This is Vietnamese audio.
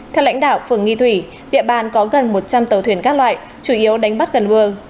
theo lãnh đạo phường nghi thủy địa bàn có gần một trăm linh tàu thuyền các loại chủ yếu đánh bắt gần vừa